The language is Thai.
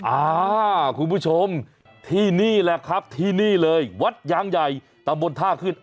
อ่าคุณผู้ชมที่นี่แหละครับที่นี่เลยวัดยางใหญ่ตำบลท่าขึ้น